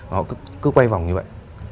họ cứ quay vòng như vậy